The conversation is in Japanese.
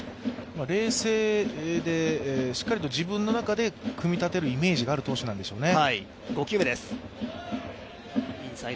冷静でしっかりと自分の中で組み立てるイメージがある投手なんでしょうね。